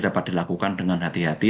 dapat dilakukan dengan hati hati